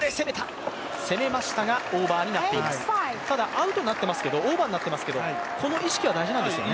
アウトになっていますけどオーバーになっていますけどこの意識は大事なんですよね。